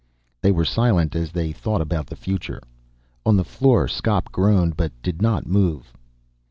They were silent as they thought about the future. On the floor Skop groaned but did not move.